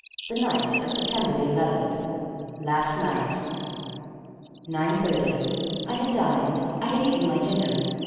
The night of September the eleventh. Last night. "Nine thirty. I had dined. I had eaten my dinner.